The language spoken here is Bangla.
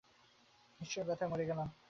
ঈশ্বর, ব্যাথায় মরে গেলাম!